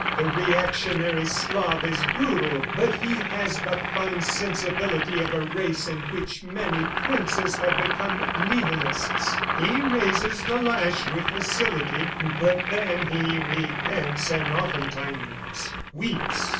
The reactionary Slav is brutal, but he has the fine sensibility of a race in which many princes have become Nihilists. He raises the lash with facility, but then he repents and oftentimes weeps.